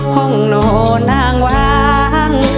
ห้องโนนางวาง